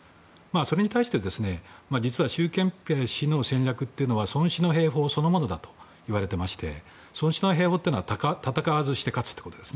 それに対して実は習近平氏の戦略というのは孫氏の兵法そのものだといわれていて孫氏の兵法とは戦わずして勝つということで。